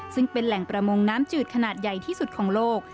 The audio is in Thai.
ซึ่งเป็นแหล่งประมงน้ำจืดขนาดใหญ่ที่สุดของโลก